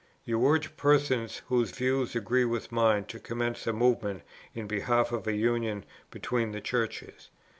You urge persons whose views agree with mine to commence a movement in behalf of a union between the Churches.